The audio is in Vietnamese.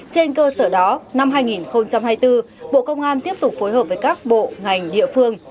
trên cơ sở đó năm hai nghìn hai mươi bốn bộ công an tiếp tục phối hợp với các bộ ngành địa phương